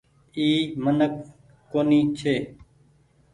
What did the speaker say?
اي منک ڪونيٚ ڇي۔